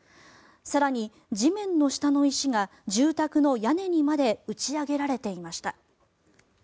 更に、地面の下の石が住宅の屋根にまで打ち上げられていました。